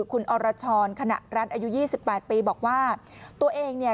คุณอรชรขณะรัฐอายุยี่สิบแปดปีบอกว่าตัวเองเนี่ย